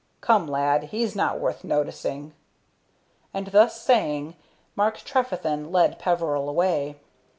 "Come, lad, he's not worth noticing," and, thus saying, Mark Trefethen led Peveril away.